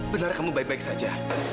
benar kamu baik baik saja